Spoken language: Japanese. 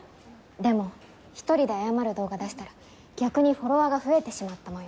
でも一人で謝る動画出したら逆にフォロワーが増えてしまったもよう。